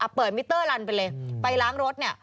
อ่ะเปิดมิเตอร์รันไปเลยไปล้างรถเนี่ย